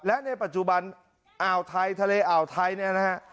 และในปัจจุบันอ่าวไทยทะเลอ่าวไทยเนี่ยนะฮะ